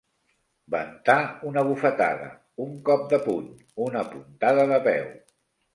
Ventar una bufetada, un cop de puny, una puntada de peu.